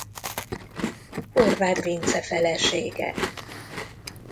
Horváth Vince felesége.